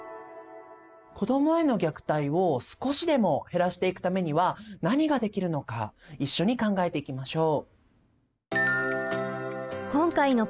子どもへの虐待を少しでも減らしていくためには何ができるのか一緒に考えていきましょう。